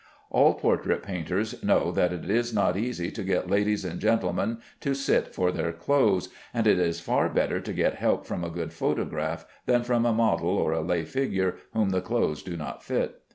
All portrait painters know that it is not easy to get ladies and gentlemen to sit for their clothes, and it is far better to get help from a good photograph than from a model or a lay figure whom the clothes do not fit.